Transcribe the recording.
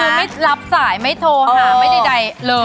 คือไม่รับสายไม่โทรหาไม่ใดเลย